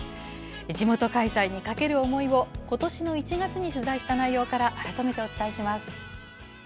地元開催にかける思いを、ことしの１月に取材した内容から改めてお伝えします。